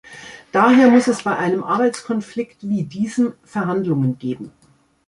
Daher muss es bei einem Arbeitskonflikt wie diesem Verhandlungen geben.